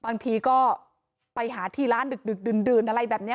บางทีก็ไปหาที่ร้านดึกดื่นอะไรแบบนี้